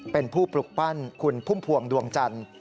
เป็นผู้ปลุกปั้นคุณพุ่มพวงดวงจันทร์